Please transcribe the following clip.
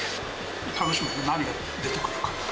楽しみ、何が出てくるか。